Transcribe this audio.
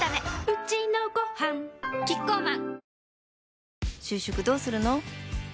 うちのごはんキッコーマン